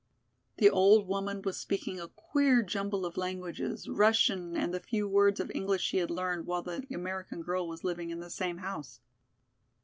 The old woman was speaking a queer jumble of languages, Russian and the few words of English she had learned while the American girl was living in the same house.